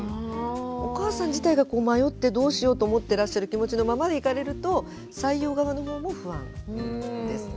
お母さん自体が迷ってどうしようと思ってらっしゃる気持ちのままで行かれると採用側の方も不安ですね。